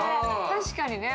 確かにね。